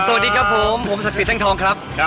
สวัสดีครับพุ่มศักดิ์ศีลทังทองครับ